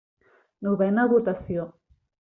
Novena votació.